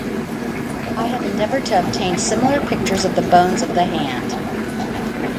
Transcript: I have endeavored to obtain similar pictures of the bones of the hand.